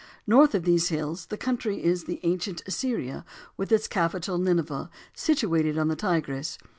North of these hills the country is the ancient Assyria, with its capital, Nineveh, situated on the Tigris.